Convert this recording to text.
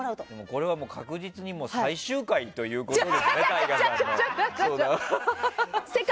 これはもう確実に最終回ということですかＴＡＩＧＡさんの相談は。